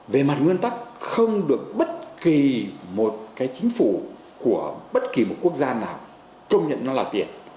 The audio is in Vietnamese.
về mặt nguyên tắc không được bất kỳ một cái chính phủ của bất kỳ một quốc gia nào công nhận nó là tiền